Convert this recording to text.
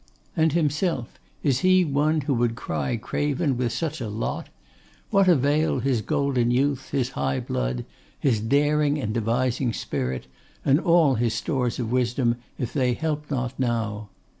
And himself, is he one who would cry craven with such a lot? What avail his golden youth, his high blood, his daring and devising spirit, and all his stores of wisdom, if they help not now?